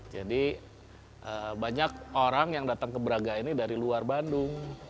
jadi banyak orang yang datang ke braga ini dari luar bandung